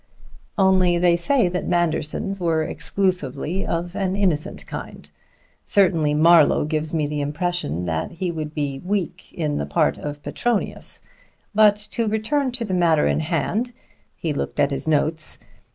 Only they say that Manderson's were exclusively of an innocent kind. Certainly Marlowe gives me the impression that he would be weak in the part of Petronius. But to return to the matter in hand." He looked at his notes.